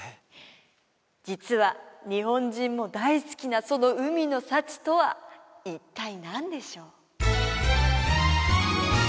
実は日本人も大好きなその海の幸とは一体何でしょう？